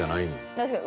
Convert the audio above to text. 確かに。